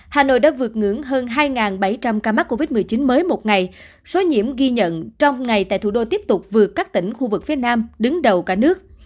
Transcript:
hà nội đã vượt ngưỡng hơn hai bảy trăm linh ca mắc covid một mươi chín mới một ngày số nhiễm ghi nhận trong ngày tại thủ đô tiếp tục vượt các tỉnh khu vực phía nam đứng đầu cả nước